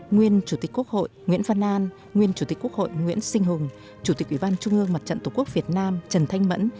nguyên chủ tịch quốc hội nguyễn văn an nguyên chủ tịch quốc hội nguyễn sinh hùng chủ tịch ủy ban trung ương mặt trận tổ quốc việt nam trần thanh mẫn